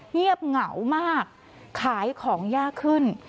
เงียบเหงามากขายของยากขึ้น